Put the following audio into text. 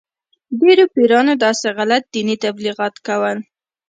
ډېرو پیرانو داسې غلط دیني تبلیغات کول.